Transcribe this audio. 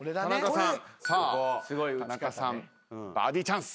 さあ田中さんバーディーチャンス。